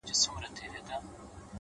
• زما زړه په محبت باندي پوهېږي ـ